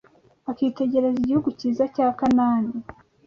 akitegereza igihugu cyiza cya Kanani